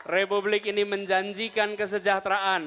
republik ini menjanjikan kesejahteraan